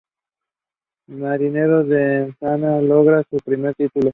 Marineros de Ensenada logra su primer titulo.